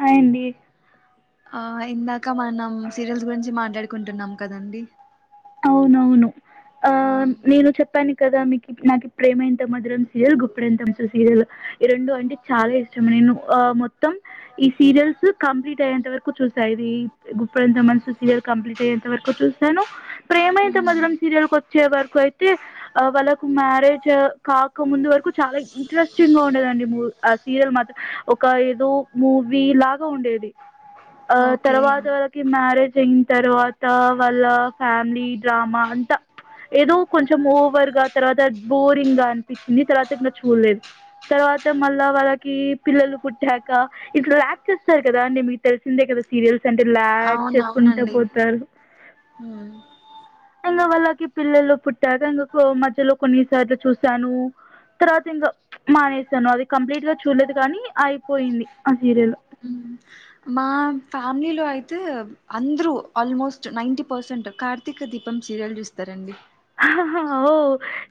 Hi అండి ఆ ఎందా ఇ మనమ్ సీరియల్స్ గురించి మాట్లాడ కుంటున్నాం కదండి అవునవును ఆ నేను చెప్పానికి కదా మీకు నాకు ప్రేమ ఎంత మధురం సీరియల్ గుప్పెడంత మనసు సీరియల్ ఈ రెండు అంటే చాలా ఇష్టం నేను ఆ మొత్తం ఈ సీరియల్స్ కంప్లీట్ అయ్యేంత వరకు చూసా ఇది గుప్పడంత మనుసు సీరియల్ కంప్లీట్ అయ్యేంత వరకు చూసాను ప్రేమ ఇంత మ్మ్ మధురం సీరియల్కి వచ్చే వరకు అయితే ఆ వాళ్ళకు మ్యారేజ్ కాక ముందు వరకు చాలా ఇంట్రెస్టింగ్ గా ఉండేదండి మూ ఆ సీరియల్ మాత్రం ఒక ఏదో మూవీ లాగా ఉండేది ఆ ఓకే తర్వాత వాళ్ళకి మ్యారేజ్ టెన్ తర్వాత వాళ్ళ ఫ్యామిలీ డ్రామా అంతా ఏదో కొంచెం ఓవర్ గా తర్వాత బోరింగ్ గా అనిపించింది తర్వాత ఇక్కడ చూడలేదు తర్వాత మళ్ళా వాళ్ళకి పిల్లలు పుట్టాక ఇంట్లా లయాక్ట్ చేస్తారు కదా అండి మీకు తెలిసిందే కదా సీరియల్స్ అంటేలా చేసుకుంటా అవునవునండి పోతారు మ్మ్. ఇంకా వాళ్ళకి పిల్లలు పుట్టాక మధ్యలో కొన్నిసార్లు చూసాను తర్వాత ఇంకా మానేసాను అది కంప్లీట్ గా చూడలేదు కానీ అయిపోయింది ఆ సీరియల్ మా ఫ్యామిలీలో అయితే అందరూ ఆల్మోస్ట్ నైంట పర్సెంట్ కార్తీక దీపం సీరియల్ చూస్తారండి ఓ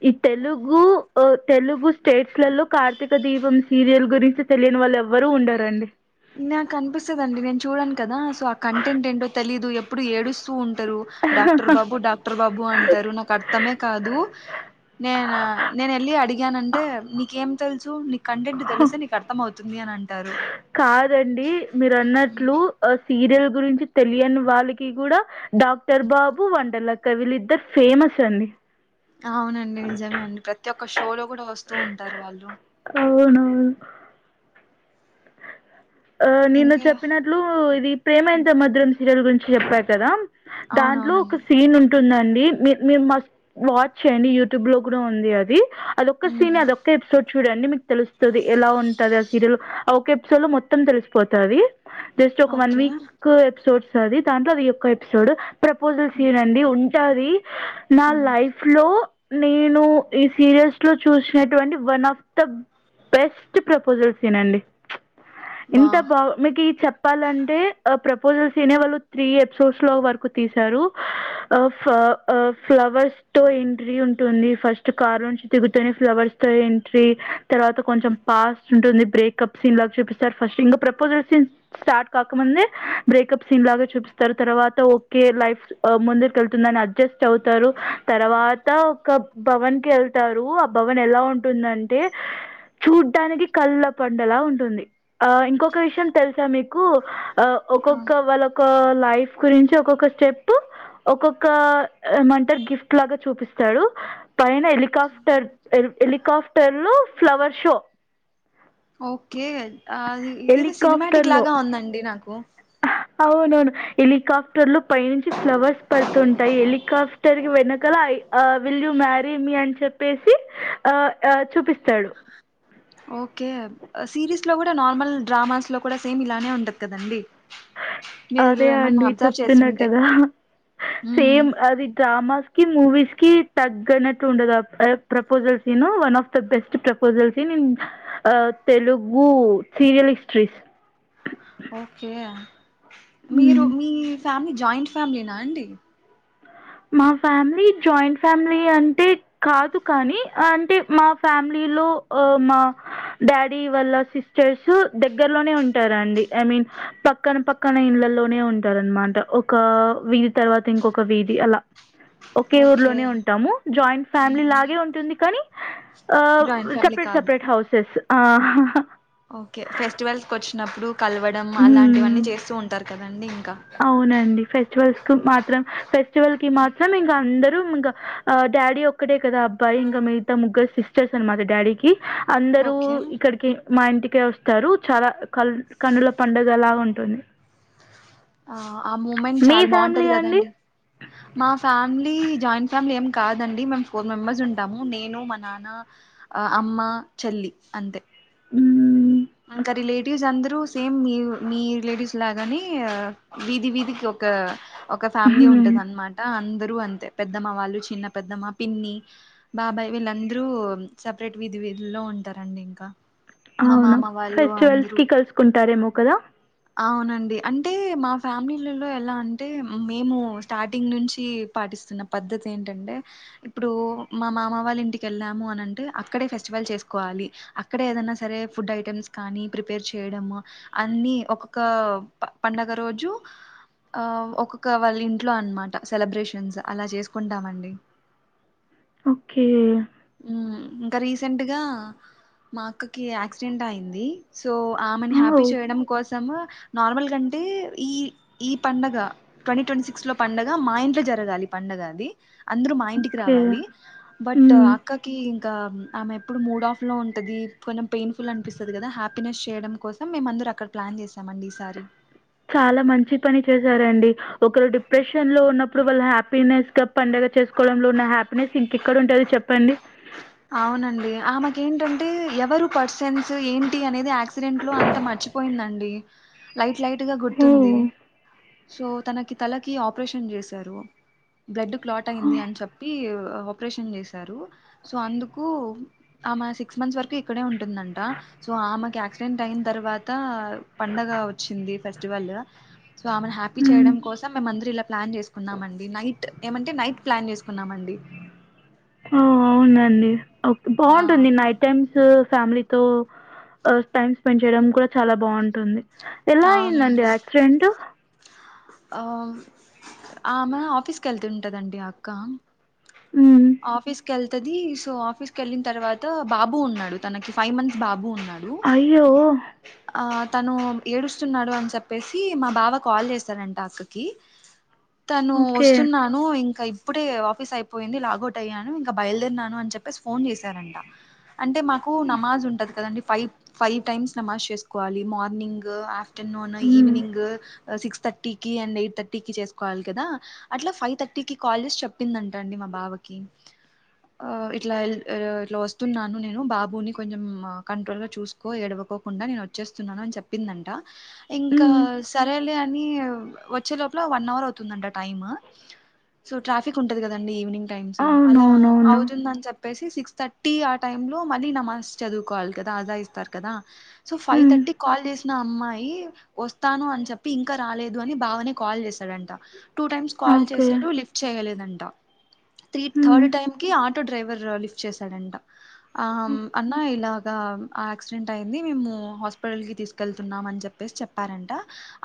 ఈ తెలుగు తెలుగు స్టేట్స్ లలో కార్తీక దీపం సీరియల్ గురించి తెలియని వాళ్ళు ఎవ్వరు ఉండారండి. నాకు అనిపిస్తుందిండి నేను చూడాను కదా సో ఆ కంటెంట్ ఏంటో తెలీయదు ఎప్పుడు ఏడుస్తూ ఉంటా. అందరు డాక్టర్ బాబు డాక్టర్ బాబు అంటారు నాకు అర్. అర్థమే కాదు నేన నేను వెళ్ళి అడిగానంటే నీకేం తెలుసు నీ కంటెంట్ తెలిసే నీకు అర్థం అవుతుంది అని అంటారు. కాదండి మీరు అన్నట్లు సీరియల్. గురించి తెలియని వాళ్ళకి కూడా డాక్టర్ బాబు వంటల అక్క ఇద్దరు ఫేమస్ అండి అవునండి నిజమే అండి ప్రతి ఒక్క షోలో కూడా వస్తూ ఉంటారు వాళ్ళు ఉమ్. ఆ నేను ఇంకా చెప్పినట్లు ఇది ప్రేమ ఎంత మధుం హరోడు గురించి చెప్పారు కదా దాంట్లో ఒక అవునవునండి సీన్ ఉంటుందండి మీర్ మీర్ మీరు మస్ట్ వాచ్ చేయండి యూట్యూబ్ లో కూడా ఉంది అది. అదొక్క సీన్ ఉమ్ అదొక్క ఎపిసోడ్ చు. చూడండి మీకు తెలుస్తుంది ఎలా ఉంటది ఆ సీరియల్. ఒక ఎపిసోడ్ లో మొత్తం తెలిసిపోతాది. జస్ట్ ఒక వన్ ఓకే వీక్ ఎపిసోడ్ స్తద్ధి దాంట్లో యొక్క ఇది ఒక్క ఎపిసోడ్. ప్రపోజల్స్ చేయనండి ఉంటుది నా ఉమ్ లైఫ్ లో నేను ఈ సీరియల్స్ లో చూసినటువంటి one of the best proposal scene అండి వా ఇంత బా మీకు ఈ చెప్పాలంటే ప్ర పుల్ తినేవాళ్ళు త్రీ ఎపిసోడ్స్ లో వరకు తీసారు ఫ్లవర్స్ తో ఎంట్రీ ఉంటుంది ఫస్ట్ కార్. కు త ఫ్లవర్స్ ఎంట్రీ తర్వాత కొంచెం ఫాస్ట్ ఉంటుంది బ్రేకప్ సీన్ లాగా చూపిస్తారు ఫస్ట్ ఇంకా ప్రపోజల్ సీన్ స్టార్ట్ కాకముందే బ్రేకప్ సీన్ లాగా చూపిస్తారు తర్వాత ఒకఓే లైఫ్ ముందుకి వెళ్తుందిని అడ్జస్ట్ అవుతారు తర్వాత ఒక భవన్ కి వెళ్తారు ఆ భవన్ ఎలా ఉంటుందంటే చూడ్డానికి కళ్ళ ప ఉండేలా ఉంటుంది ఆ ఇంకొక విషయం తెలుసా మీకు ఆ ఒక్కొక్క వాళ్ళొక లైఫ్ గురించి ఒక్కొక్క స్టెప్ ఒక్కొక్క ఏమంటారు గిఫ్ట్ లాగా చూపిస్తాడు. పైన హెలికాప్టర్ హెలికాప్టర్ లో. ఫ్లవర్ షో ఓకే ఆ ఇదితే సినిమాటిక్ హెలికాప్టర్‌లో. లాగా ఉందండి నాకు అవునవును హలిికాప్టర్లు పై నుంచి ఫ్లవర్స్ ప ంటాయి హెలికాప్టర్ కి వెనుకలఐ విల్ ూ మ్యారీ మీ అని చెప్పేసి ఆ చూపిస్తాడు ఓకే సిరీస్ లో కూడా నార్మల్ డ్రామాస్ లో కూడా సేమ్ ఇలానే ఉంటది కదండి. మీరు అదే ఏమన్నా అండి అబ్జర్వ్ చేసి చెప్తున్నా ఉంటే కదా మ్మ్ సేమ్ అది డ్రామాస్ కి మూవీస్ కి తగ్గనట్టు ఉండదు ప్రపోజల్స్ను one of the best proposals in in Telugu serial histories okay మీరు హ్మ్. మీ. ఫ్యామిలీ జాయింట్ ఫ్యామిలీనా అండి మా ఫ్యామిలీ జాయింట్ ఫ్యామిలీ అంటే కాదు కానీ అంటే మా ఫ్యామిలీలో ఆ మా డాడీ వాళ్ళ సిస్టర్స్ దగ్గరలోనే ఉంటారంండి ఐ మీన్ పక్కన పక్కన ఇళ్లలోనే ఉంటారు అనమాట ఒక వీధి తర్వాత ఇంకొక వీధి ఒకే ఓకే ఊర్లోనే ఉంటాము జాయింట్ ఫ్యామిలీ మ్మ్ లాగే ఉంటుంది కానీ ఆ జాయింట్ ఫ్యామిలీ సపరేట్ కాదు సపరేట్ హౌసెస్. ఆ ఓకే ఫెస్టివల్స్ కి వచ్చినప్పుడు కలవడం అలాంటివన్నీ చేస్తూ ఉంటారు కదా. అవునండి ఫెస్టివల్స్ కు మాత్రం ఫెస్టివల్ కి మాత్రం ఇంకా అందరు. ఇంకా డాడీ ఒక్కటే కదా అబ్బాయి ఇంకా మిగతా ముగ్గురు సిస్టర్స్ అన్మాట డాడీకి. అందరూ ఓకే ఇక్కడికి. మా ఇంటికే వస్తారు చాలా కన్నుల పండుగలా ఉంటుంది ఆ ఆ మూమెంట్ మీ చాలా బాగుంటది ఫ్యామిలీ అండి కదండి మా ఫ్యామిలీ జాయింట్ ఫ్యామిలీ ఏం. కాదండి మేము ఫోర్ మెంబర్స్ ఉంటాము నేను మా నాన్న అమ్మ చెల్లి అంతే. ఉ. ఇంకా రిలేటివ్స్ అందరుూ సేమ్ మీ మీ రిలేటివ్స్ లాగాని వీధి వీధికి ఒక. ఒక ఫ్యామిలీ హ్మ్. ఉంటది అనమాట అందు అంతే పెద్దమ్మ వాళ్ళు చిన్న పెద్దమ్మ పిన్ని బాబాయ్ వీళ్ళందరూ సపరేట్ వీధి విధులో ఉంటారండి ఇంకా. మా అవును. మామ వాళ్ళు ఫెస్టివల్స్ అందరూ కి కలుసుకుంటారేమో కదా. అవునండి అంటే మా ఫ్యామిలీలలో ఎలా అంటే మేము స్టార్టింగ్ నుంచి పాటిస్తున్న పద్ధతి ఏంటంటే ఇప్పుడు మా మామ వాళ్ళ ఇంటికి వెళ్ళాము. అని అంటే అక్కడే ఫెస్టివల్ చేసుకోవాలి. అక్కడే ఏదనా సరే ఫుడ్ ఐటమ్స్. కానీ ప్రిపేర్ చేయడము అన్ని ఒక్కొక్క పండగ రోజు ఆ ఒక్కొక్క వాళ్ళ ఇంట్లో అనమాట సెలబ్రేషన్స్ అలా చేసుకుంటామండి. ఓకే. హు ఇంకా రీసెంట్గా మా అక్కకి యాక్సిడెంట్ అయింది. సో ఆమెను ఆ! హ్యాపీ చేయడం కోసం. నార్మల్గా అంటే ఈ ఈ పండగ ట్వంటీ ట్వంటీ సిక్స్ లో పండగ మా ఇంట్లో జరగాలి పండగ అది. అందరూ మా ఇంటికి ఓకే. రావాలి బట్ సో హ్మ్. ఆక్కకి ఇ క ఆమె ఎప్పుడు మూడ్ ఆఫ్ లో ఉంటది. కొంచెం పెయిన్ఫుల్ అనిపిస్తుంది కదా, హ్యాపీనెస్ చేయడం కోసం మేము అందరు అక్కడ ప్లాన్ చేసామండి ఈసారి. చాలా మంచి పని చేసారండి. ఒకరు డిప్రెషన్ లో ఉన్నప్పుడు వాళ్ళ హ్యాపీనెస్ గా పండుగ చేసుకోవడంలో ఉన్న హ్యాపీనెస్ ఇంకెక్కడ ఉంటుందో చెప్పండి. అవునండి ఆమెకు ఏంటంటే ఎవరు పర్సన్స్ ఏంటి అనేది యాక్సిడెంట్ లో అంత మర్చిపోయిందండి. లై లైట్ గా గుర్తుంది. హ్మ్. సో తనకి తలకి ఆపరేషన్ చేశారు. బ్లడ్ క్లాట్ అయింది అని చెప్పి ఆపరేషన్ చేశారు. సో అందుకు ఆమె సిక్స్ మంత్స్ వరకు ఇక్కడే ఉంటుందంట. సో ఆమెకు యాక్సిడెంట్ అయిన తర్వాత పండగ వచ్చింది ఫెస్టివల్ సో ఆమెను హ్యాపీ హ్మ్. చేయడం కోసం మంత్రిల ప్లాన్ చేసుకున్నామండి నైట్ ఏమంటే నైట్ ప్లాన్ చేసుకున్నామండి. అవునండి ఓ ఆ బాగుంటుంది నైట్ టైమ్స్ ఫ్యామిలీతో టైమ్ స్పెండ్ చేయడం కూడా చాలా బాగుంటుంది. ఎలా అయ్యింది అవునండి అండి ఆక్సిడెంట్ ఆ ఆ మ ఆఫీస్కి వెళ్తుంటదండి అక్క హ్మ్. ఆఫీస్ కల్సి ది సో ఆఫీస్ క వెళ్ళిన తర్వాత బాబు ఉన్నాడు, తనకి ఫైవ్ మంత్స్ బాబు ఉన్నాడు. రు అయ్యో! ఆ తను ఏడుస్తున్నాడు అని చెప్పేసి మా బావ కాల్ చేశారుండి. టాస్కికి తను ఓకే. వస్తున్నాను ఇం ఇంకా ఇప్పుడే ఆఫీస్ అయిపోయింది. లాగౌట్ అయ్యాను ఇంకా బయలుదేరిన్నాను అని చెప్పేసి ఫోన్ చేశారంట. అంటే మాకు నమాజ్ ఉంటుంది కదండి, ఫైవ్ ఫైవ్ టైమ్స్ నమాజ్ చేసుకోవాలి. మార్నింగ్ ఆఫ్ టన్ హ్మ్. ఈవినింగ్ సిక్స్ టీ క అండ్ ఎయిట్ థర్టీ క చేసుకోవాలి కదా అట్లా ఫైవ్ థర్టీ క కాల్ చేసి చెప్పిందంట అండి మా బాబ క ఇట్లా ఇట్లా వస్తున్నాను నేను బాబుని కొంచెం కంట్రోల్ గా చూసుకో ఎడవకోకుండా నేను వచ్చేస్తున్నాను అని చెప్పిందంట ఇంకా హ్మ్. సరేలే అంట అ వచ్చే లోపల వన్ అవర్ అవుతుందడి టైమ్ సో ట్రాఫిక్ ఉంటంది కదండి ఈవినింగ్ టైమ్స్ అలా అవునవునవును. అవుతుందని చెప్పేసి సిక్స్ థర్టీ ఆ టైమ్ లో మళ్ళీ నా మస్ చదువుకోవాలి కదా అదా ఇస్తారు కదా సో ఫైవ్ హ్మ్. థర్టీ కాల్ చేసి నా అమ్మాయి వస్తాను అని చెప్పి ఇంకా రాలేదు అని భావనే కాల్ చేశాడంట టూ టైమ్స్ కాల్ ఓకే. చేశాడు లిఫ్ట్ చేయలేదండి కుత్త త్ర హ్మ్. థర్డ్ టైమ్కి ఆ ఆటో డ్రైవర్ లిఫ్ట్ చేశాడంట ఆ ఓకే. అన్నా ఇలా యాక్సిడెంట్ అయింది మేము హాస్పిటల్ కి తీసుకెళ్తున్నామ అని చెప్పేసి చెప్పారంట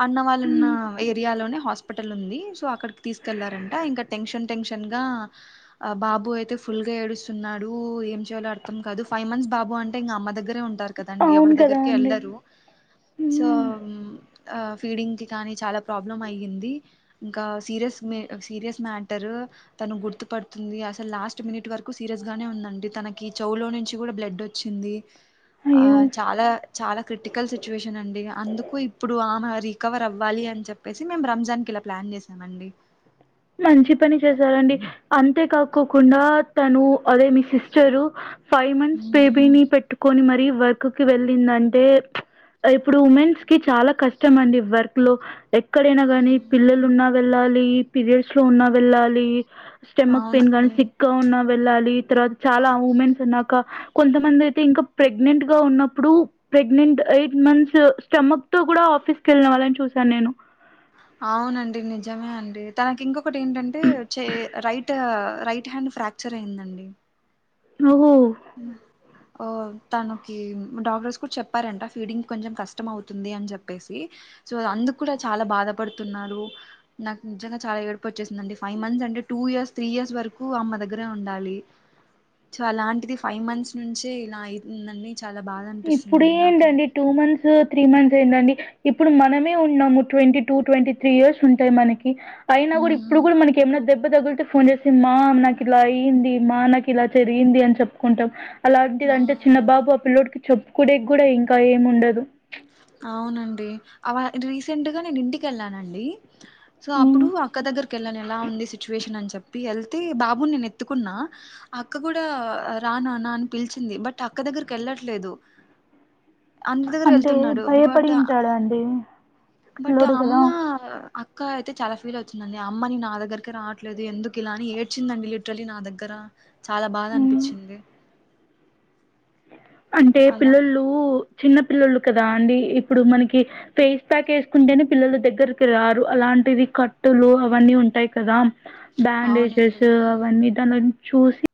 అన్నవాళ్ళున్న ఏరియాలోనే హాస్పిటల్ ఉంది సో అక్కడికి తీసుకెళ్లారంట ఇంకా టెన్షన్ టెన్షన్ గా బాబు అయితే ఫుల్గా ఏడుస్తున్నాడు ఏం చేయాలో అర్థం కాదు ఫైవ్ మంత్స్ బాబు అంటే ఇంకా అమ్మ దగ్గరే ఉంటారు కదండి అవర అవును కదా దగ్గరిక అండి ఎలరు సో ఉమ్, ఫీడింగ్కి కానీ చాలా ప్రాబ్లం అయ్యింది ఇంకా సీరియస్ సీరియస్ మ్యాటర్ తను గుర్తు పడుతుంది అసలు లాస్ట్ మినిట్ వరకు సీరియస్ గానే ఉందండి తనకి చౌలో నుంచి కూడా బ్లడ్ వచ్చింది ఆ అయ్యో చాలా చాలా క్రిటికల్ సిచ్యువేషన్ అండి అందుకు ఇప్పుడు ఆ మారి కవర్ అవ్వాలి అని చెప్పేసి మేము రంజాన్ కి ఇలా ప్లాన్ చేసామండి మంచి పని చేసారంండి అంతే కాక్కకుండా తను అదే మీ సిస్టరు ఫైవ్ మంత్స్ మ్మ్. బేబీని పెట్టుకొని మరి వర్క్కిి వెళ్ళిందంటే ఇప్పుడు ఉమెన్స్ కి చాలా కష్టం అండి వర్క్ లో ఎక్కడైనా గాని పిల్లలు ఉన్నా వెళ్ళాలి ప్ర పీరియడ్స్ లో ఉన్నా వెళ్ళాలి స్టెమక్ పయిన్ కానీ అవునండి సిక్కా ఉన్న వెళ్ళాలి తర్వాత చాలా ఉమెన్స్ అన్నాక కొంతమంది అయితే ఇంకా ప్రెగ్నెంట్ గా ఉన్నప్పుడు ప్రెగ్నెంట్ ఎయిట్ మంత్స్ స్టమక్ తో కూడా ఆఫీస్ కి వెళ్ళిన వాళ్ళని చూసాను నేను అవునండి నిజమే అండి తనకి ఇంకొ ఒకటి ఏంటంటే రైట్ రైట్ హ్యాండ్ ఫ్రాక్చర్ అయి్యందండి ఓహో అ తనకి డాక్టర్స్ కూడా చెప్పారంట ఫీడింగ్ కొంచెం కష్టం అవుతుంది అని చెప్పేసి సో అందుకు కూడా చాలా బాధపడుతున్నారు నాకు నిజంగా చాలా ఏర్పు వచ్చేసిందండి ఫైవ్ మంత్స్ అంటే టూ ఇయర్స్ త్రీ ఇయర్స్ వరకు అమ్మ దగ్గరే ఉండాలి సో అలాంటిది ఫైవ్ మంత్స్ నుంచి ఇలా అయితుందండి. ఇప్పుడు ఏంటండి టూ మంత్స్ త్రీ మంత్స్ అయిందండి. ఇప్పుడు మనమే ఉన్నాము twenty two twenty three years ఉంటాయి మనకి. అయినా కూడా ఇప్పుడు ఉమ్ కూడా మనకి ఏమన్న దెబ్ దెబ్బ తగులితే ఫోన్ చేసి మా నాకు ఇలా అయ్యింది, మా నాకు ఇలా జరిగింది అని చెప్పుకుంటాం. అలాంటిది అంటే చిన్న అవును బాబు ఆ పిల్ల్లోడికి చెప్పుకునేే కూడా ఇంకా ఏం ఉండదు. అవునండి అ రీసెంట్గా నేను ఇంటికి వెళ్ళానండి. సో అప్పుడు హ్మ్. అక్క దగ్గరికి వెళ్ళను ఎలా ఉంది. సిచ్యువేషన్ అని చెప్పి తప్పి వెళ్తే బాబు నేను ఎత్తుకున్నా అక్క కూడా రానానా అని పిలిచింది. బట్ అక్క దగ్గరికి వెళ్ళట్లేదు. అందరి దగర వెళ్ భయపడింటాడు అండి. బట్ అమ్మా అక్క అయితే చాలా ఫీల్ అవుతుందండి. అమ్మని నా దగ్గరికి రావట్లేదు. ఎందుకు ఇలా అని ఏడ్చిందండి లిటరలీ నా దగ్గర. చాలా బాద హ్మ్. అనిపించింది. అంటే అలా పిల్లలూ చిన్న పిల్లలు కదా అండి ఇప్పుడు మనకి ఫేస్ ప్యాక్ వేసుకుంటేనే పిల్లలు దగ్గరికి రారు. అలాంటివి కట్టులు అవన్నీ ఉంటాయి కదా బ్యాండేజెస్ అవునండి అవన్నీ దాని చూసి